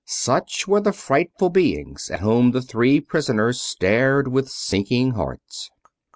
Such were the frightful beings at whom the three prisoners stared with sinking hearts.